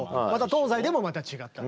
東西でもまた違ったり。